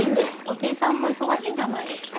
馬琴さんも忙しいんじゃないですか？